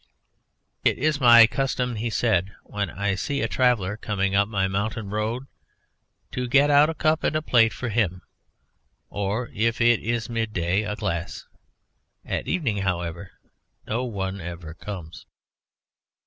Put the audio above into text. "It is my custom," he said, "when I see a traveller coming up my mountain road to get out a cup and a plate for him, or, if it is midday, a glass. At evening, however, no one ever comes."